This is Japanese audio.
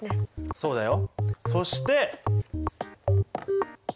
そうだよ。